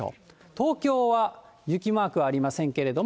東京は雪マークはありませんけれども。